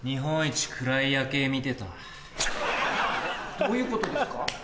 どういうことですか？